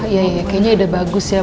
ya kayaknya udah bagus ya